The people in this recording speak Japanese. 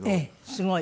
すごい。